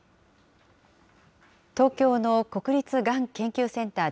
東京の国立がん研究センター